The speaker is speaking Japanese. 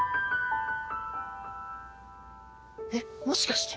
えっもしかして。